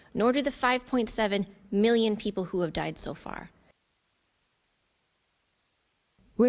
dan juga lima tujuh juta orang yang telah mati sejauh ini